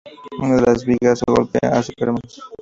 Una de las vigas golpea a Superman.